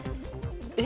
えっ？